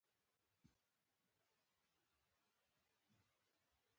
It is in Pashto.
سمندر نه شتون د افغانستان د ځایي اقتصادونو بنسټ دی.